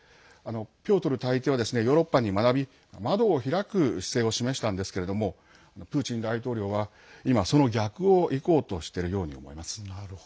ピョートル大帝はヨーロッパに学び窓を開く姿勢を示したんですけれどもプーチン大統領は今、その逆をいこうとしているように思います。